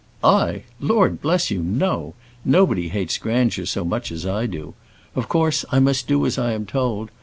"I! Lord bless you, no! Nobody hates grandeur so much as I do. Of course I must do as I am told.